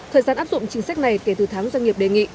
thời gian áp dụng chính sách này kể từ tháng doanh nghiệp đề nghị